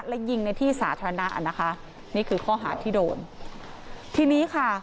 และยิงในที่สาธารณะนะคะนี่คือข้อหาที่โดนทีนี้ค่ะ